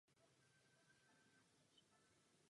Důchodci jsou obvykle starší lidé na sklonku svého života.